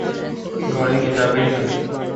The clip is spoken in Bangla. ঘরে কি যাবেই না?